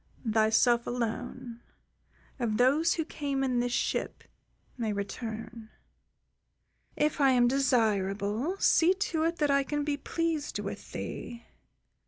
"Thyself alone, of those who came in this ship, may return. If I am desirable, see to it that I can be pleased with thee."